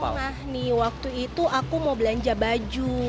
pernah nih waktu itu aku mau belanja baju